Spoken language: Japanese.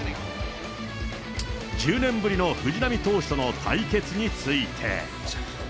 １０年ぶりの藤浪投手との対決について。